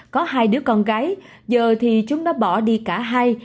có hai đứa con gái giờ thì chúng đã bỏ đi cả hai